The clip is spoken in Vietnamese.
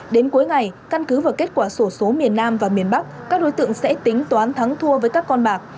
đến cuối ngày căn cứ vào kết quả sổ số miền nam và miền bắc các đối tượng sẽ tính toán thắng thua với các con bạc